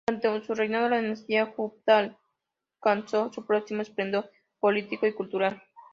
Durante su reinado, la dinastía gupta alcanzó su máximo esplendor político y cultural.